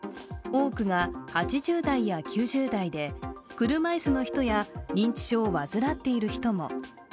多くが８０代や９０代で車椅子の人や認知症を患っている人も。